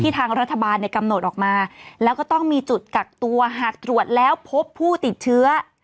ทางรัฐบาลในกำหนดออกมาแล้วก็ต้องมีจุดกักตัวหากตรวจแล้วพบผู้ติดเชื้อ